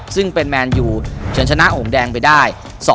ซึ่งเป็นแมนอยู่เฉินชนะโหงแดงไปได้๒๑